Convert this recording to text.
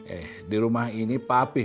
eh di rumah ini papih